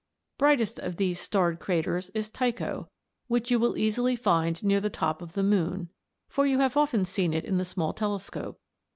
Brightest of all these starred craters is Tycho, which you will easily find near the top of the moon (I, Fig. 3), for you have often seen it in the small telescope.